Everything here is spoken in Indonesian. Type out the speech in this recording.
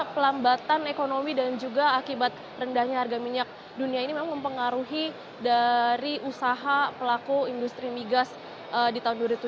pelambatan ekonomi dan juga akibat rendahnya harga minyak dunia ini memang mempengaruhi dari usaha pelaku industri migas di tahun dua ribu tujuh belas